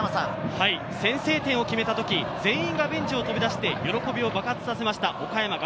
先制点を決めた時、全員がベンチを飛び出して、喜びを爆発させました。